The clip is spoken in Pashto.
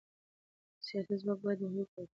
سیاسي ځواک باید محدود پاتې شي